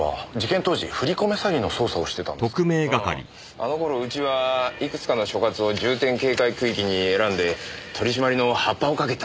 あの頃うちはいくつかの所轄を重点警戒区域に選んで取り締まりのハッパをかけてたからね。